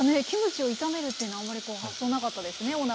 キムチを炒めるというのはあまり発想なかったですね